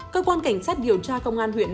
cơ quan cảnh sát điều tra công an huyện